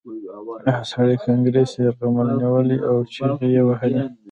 هغه سړي کانګرس یرغمل نیولی و او چیغې یې وهلې